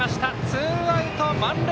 ツーアウト満塁。